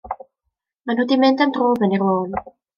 Mae nhw 'di mynd am dro fyny'r lôn.